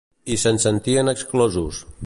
I se'n sentien exclosos.